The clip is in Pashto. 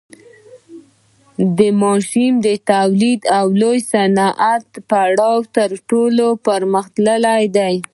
د ماشیني تولید او لوی صنعت پړاو تر ټولو پرمختللی دی